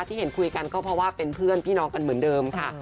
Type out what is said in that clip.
ที่เห็นคุยกันก็เพราะว่าเป็นเพื่อนพี่น้องกันเหมือนเดิมค่ะ